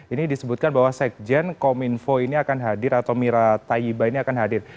ini disebutkan bahwa sekjen kominfo ini akan hadir atau mira tayyiba ini akan hadir